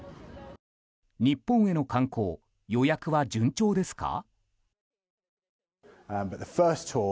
日本への観光予約は順調ですか？